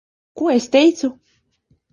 Ko es teicu?